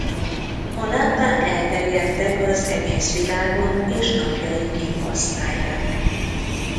A lámpák elterjedtek az egész világon és napjainkig használják.